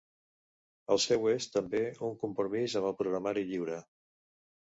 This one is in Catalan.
El seu és, també, un compromís amb el programari lliure.